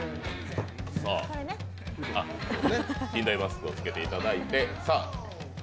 近大マスクを着けていただいて。